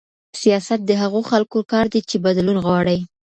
سياست د هغو خلګو کار دی چي بدلون غواړي.